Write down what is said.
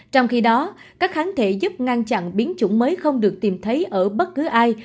trong khi đó các kháng thể giúp ngăn chặn biến chủng mới không được tìm thấy ở bất cứ ai